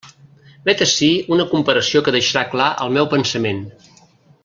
Vet ací una comparació que deixarà clar el meu pensament.